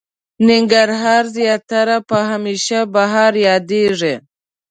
ننګرهار زياتره په هميشه بهار ياديږي.